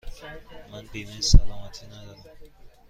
من بیمه سلامتی ندارم.